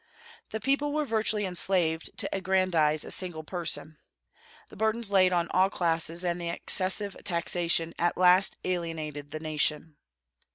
The people were virtually enslaved to aggrandize a single person. The burdens laid on all classes and the excessive taxation at last alienated the nation.